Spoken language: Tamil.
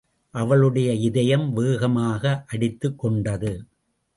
அவளுடைய இதயம் வேகவேகமாக அடித்துக் கொண்டது.